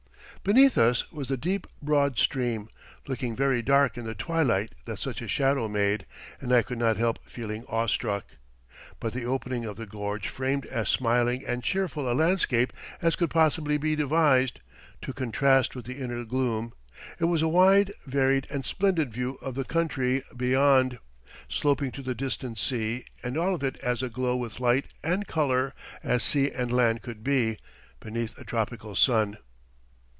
"Beneath us was the deep, broad stream, looking very dark in the twilight that such a shadow made, and I could not help feeling awestruck. But the opening of the gorge framed as smiling and cheerful a landscape as could possibly be devised, to contrast with the inner gloom. It was a wide, varied and splendid view of the country beyond, sloping to the distant sea, and all of it as aglow with light and colour as sea and land could be, beneath a tropic sun.